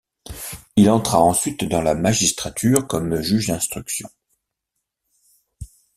Il entra ensuite dans la magistrature, comme juge d'instruction.